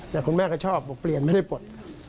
แต่คุณแม่ก็ชอบบอกเปลี่ยนไม่ได้ปลด